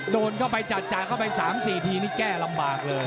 โดนเข้าไปจัดเข้าไป๓๔ทีนี่แก้ลำบากเลย